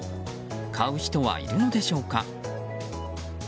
買う人はいるのでしょうか。